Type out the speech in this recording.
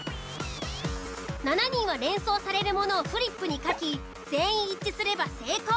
７人は連想されるものをフリップに書き全員一致すれば成功。